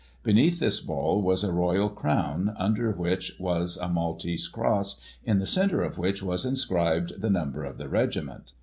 Beneath this ball was a royal crown, underneath which was a Maltese cross, in the centre of which was inscribed the number of the regiment.